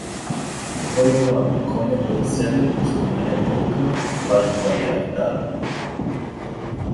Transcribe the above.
Кой е младо, коня да възседне, да спомене Вълка баш байрактар.